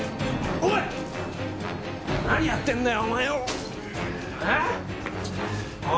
お前何やってんだよ！？